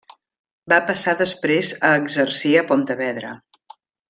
Va passar després a exercir a Pontevedra.